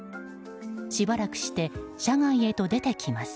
しばらくして車外へと出てきます。